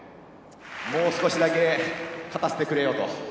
もう少しだけ勝たせてくれよと。